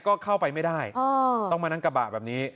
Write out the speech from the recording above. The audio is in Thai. ก็เข้าไปไม่ได้ต้องมานั่งกระบะแบบนี้